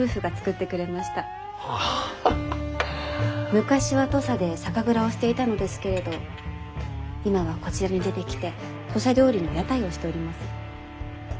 昔は土佐で酒蔵をしていたのですけれど今はこちらに出てきて土佐料理の屋台をしております。